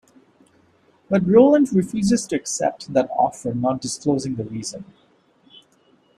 But Roland refuses to accept that offer not disclosing the reason.